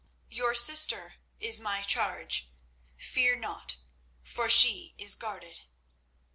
Your sister is my charge. Fear not, for she is guarded."